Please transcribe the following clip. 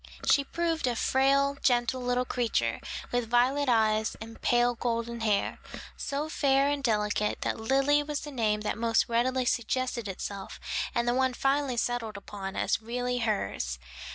She proved a frail, gentle little creature, with violet eyes and pale golden hair, so fair and delicate that Lily was the name that most readily suggested itself and the one finally settled upon as really hers.